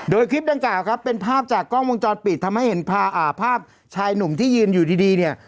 โดยคลิปดังกล่าวครับเป็นภาพจากกล้องวงจรปิดทำให้เห็นภาพชายหนุ่มที่ยืนอยู่ดีเนี่ย